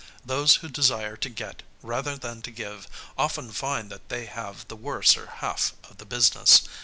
Those who desire to get, rather than to give, often find that they have the worser half of the business.